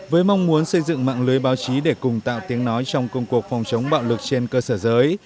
với mong muốn xây dựng mạng lưới báo chí để cùng tạo tiếng nói trong công cuộc phòng chống bạo lực trên cơ sở giới